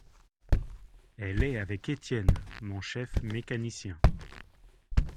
Elle est avec Etienne, mon chef mécanicien.